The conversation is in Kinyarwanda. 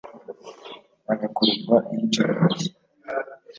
bagakorerwa iyicarubozo